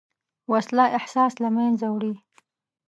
وسله احساس له منځه وړي